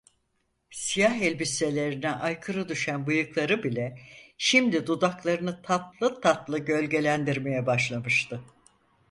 Siyah elbiselerine aykırı düşen bıyıkları bile, şimdi dudaklarını tatlı tatlı gölgelendirmeye başlamıştı.